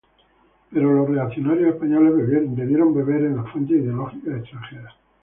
Pero los reaccionarios españoles debieron beber en las fuentes ideológicas extranjeras.